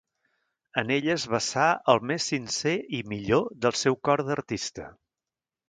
En elles vessà el més sincer i millor del seu cor d'artista.